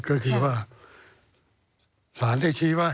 ก็คือว่าสารได้ชี้ว่า